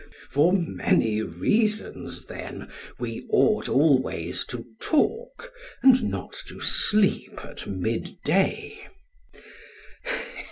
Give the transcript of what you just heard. For many reasons, then, we ought always to talk and not to sleep at mid day.